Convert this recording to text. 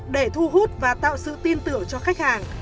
để thu hút và tạo sự tin tưởng cho khách hàng